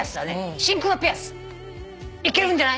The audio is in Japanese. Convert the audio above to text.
「真紅のピアス」いけるんじゃない？